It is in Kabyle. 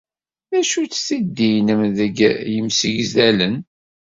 D acu-tt tiddi-nnem deg yimsegdalen?